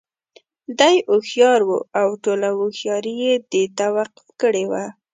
دى هوښيار وو او ټوله هوښياري یې دې ته وقف کړې وه.